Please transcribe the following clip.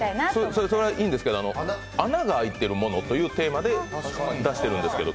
それはいいんですけど、穴が開いているものというテーマで出してるんですけど。